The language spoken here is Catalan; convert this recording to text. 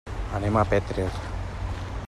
Anem a Petrer.